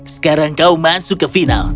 sekarang kau masuk ke final